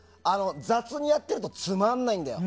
雑にやってるとつまらないんだよ。